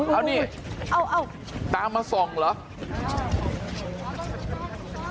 เอานี่เอาตามมาส่องเหรอ